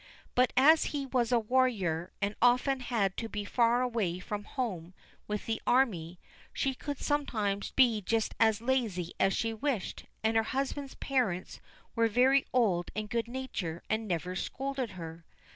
But as he was a warrior, and often had to be far away from home with the army, she could sometimes be just as lazy as she wished, and her husband's parents were very old and good natured, and never scolded her.